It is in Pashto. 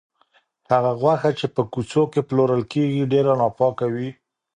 هغه غوښه چې په کوڅو کې پلورل کیږي، ډېره ناپاکه وي.